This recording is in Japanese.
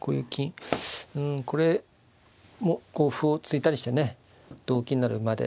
うんこれもこう歩を突いたりしてね同金なら馬で。